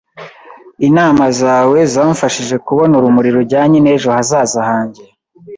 Inama zawe zamfashije kubona urumuri rujyanye n'ejo hazaza hanjye.